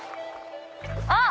あっ！